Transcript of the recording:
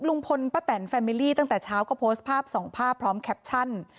ลุงพลป้าแตนแฟมิลี่ตั้งแต่เช้าก็โพสต์ภาพสองภาพพร้อมแคปชั่น